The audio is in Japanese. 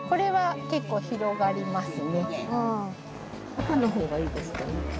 赤の方がいいですかね。